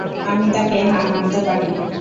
আমি তাকে না মানতে পারি।